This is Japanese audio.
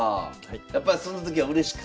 やっぱりその時はうれしかった？